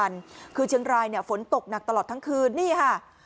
จริงครับก็เพราะเชียงรายเนี่ยฝนตกหนักตลอดทั้งคืนนี่นะครับ